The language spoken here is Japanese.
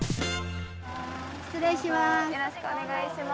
失礼します。